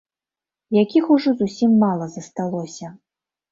Якіх ужо зусім мала засталося.